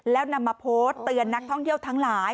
แล้วนำมาโพสต์เตือนนักท่องเที่ยวทั้งหลาย